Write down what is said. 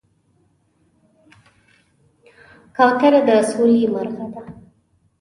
کوتره د سولې مرغه ده.